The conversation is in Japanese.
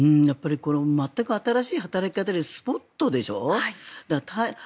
全く新しい働き方でスポットでしょ？